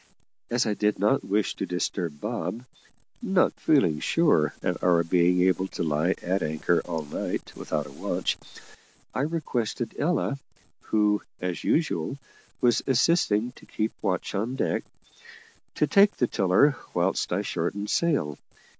As I did not wish to disturb Bob (not feeling sure of our being able to lie at anchor all night without a watch), I requested Ella who, as usual, was assisting to keep the watch on deck to take the tiller whilst I shortened sail.